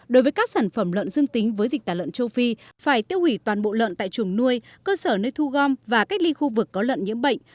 đối với các sản phẩm lợn dương tính với dịch tả lợn châu phi phải tiêu hủy toàn bộ lợn tại trùng nuôi cơ sở nơi thu gom và cách ly khu vực có lợn nhiễm bệnh